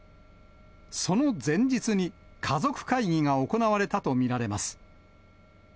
その前日に家族会議が行われたと見られます。